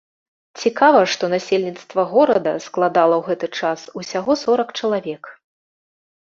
Цікава, што насельніцтва горада складала ў гэты час усяго сорак чалавек.